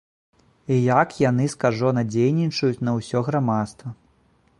І як яны скажона дзейнічаюць на ўсё грамадства.